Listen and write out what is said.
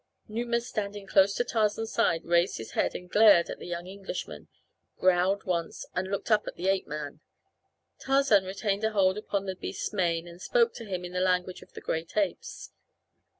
Numa standing close to Tarzan's side raised his head and glared at the young Englishman, growled once, and looked up at the ape man. Tarzan retained a hold upon the beast's mane and spoke to him in the language of the great apes.